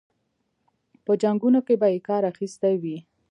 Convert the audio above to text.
په جنګونو کې به یې کار اخیستی وي.